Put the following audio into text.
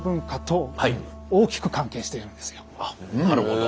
なるほど。